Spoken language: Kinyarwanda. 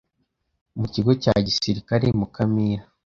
mu kigo cya gisirikari Mukamira